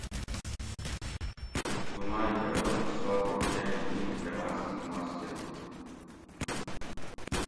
لُوماۤئ کہ ارو حصار ہو ٹیم ہِیت جماۤ سہ نماز کۤری